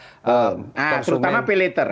terutama pay later